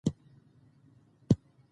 هغه وخت چي د ښار ويالې،